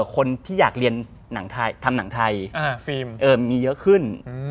คนที่อยากเรียนทำหนังไทยฟิล์มมีเยอะขึ้น